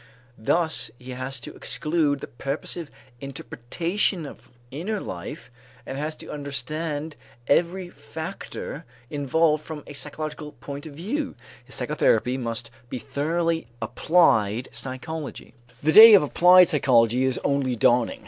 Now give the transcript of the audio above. Thus he has to exclude the purposive interpretation of inner life and has to understand every factor involved from a psychological point of view: his psychotherapy must be thoroughly applied psychology. The day of applied psychology is only dawning.